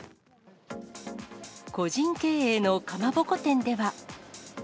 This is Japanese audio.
個人経営のかまぼこ店では。